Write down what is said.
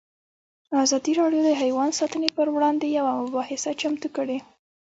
ازادي راډیو د حیوان ساتنه پر وړاندې یوه مباحثه چمتو کړې.